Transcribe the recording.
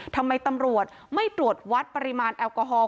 ทำไมตำรวจไม่ตรวจวัดปริมาณแอลกอฮอล